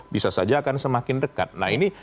bisa saja akan semakin dekat nah ini